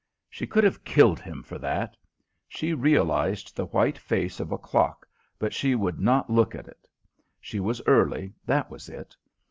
She could have killed him for that! She realised the white face of a clock, but she would not look at it. She was early, that was it.